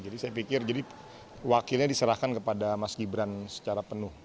jadi saya pikir jadi wakilnya diserahkan kepada mas gibran secara penuh